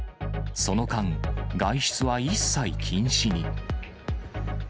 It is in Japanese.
その間、外出は一切禁止に。